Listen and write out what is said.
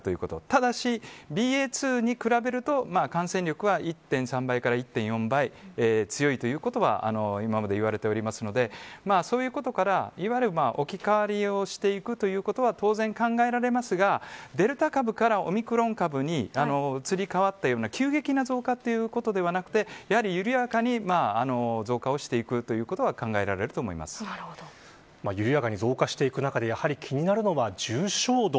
ただし、ＢＡ．２に比べると感染力は１．３倍から１．４倍強いということは今まで言われていますのでそういうことから置き換わりをしていくということは当然考えられますがデルタ株からオミクロン株に移り変わったような急激な増加ということではなくて緩やかに増加をしていくということが緩やかに増加していく中でやはり気になるのは重症度。